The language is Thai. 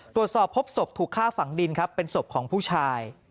ตรวจสอบพบศพถูกฆ่าฝังดินครับเป็นศพของผู้ชาย